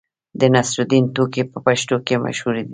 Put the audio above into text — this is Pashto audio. د نصرالدین ټوکې په پښتنو کې مشهورې دي.